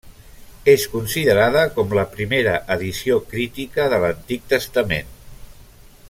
És considerada com la primera edició crítica de l'Antic Testament.